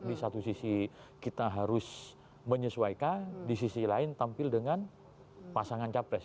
di satu sisi kita harus menyesuaikan di sisi lain tampil dengan pasangan capres